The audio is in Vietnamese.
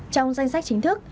trong danh sách chính thức